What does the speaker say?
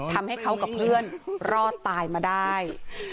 ทำให้เขากับเพื่อนรอดตายมาได้